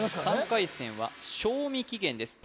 ３回戦は賞味期限です